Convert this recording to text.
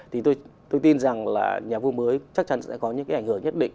thì tôi tin rằng là nhà vua mới chắc chắn sẽ có những cái ảnh hưởng nhất định